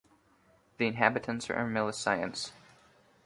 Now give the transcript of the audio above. The inhabitants are "Amilissiens".